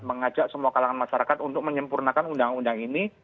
mengajak semua kalangan masyarakat untuk menyempurnakan undang undang ini